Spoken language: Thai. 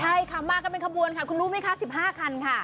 ใช่ค่ะมากันเป็นขบวนค่ะคุณรู้ไหมคะ๑๕คันค่ะ